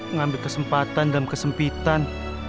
ngambil kesempatan dalam kesempitan